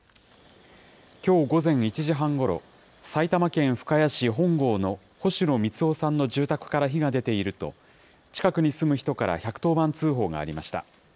きょう午前１時半ごろ、埼玉県深谷市本郷の星野光男さんの住宅から火が出ていると、近くに住む人から１１０番通報がありました。